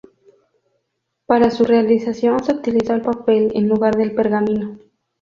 Para su realización se utilizó el papel en lugar del pergamino.